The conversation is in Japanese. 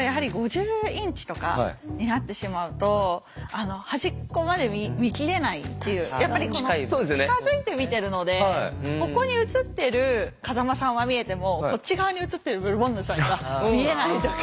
あまりにも大きいとやはりやっぱりこの近づいて見てるのでここに映ってる風間さんは見えてもこっち側に映ってるブルボンヌさんが見えないとか。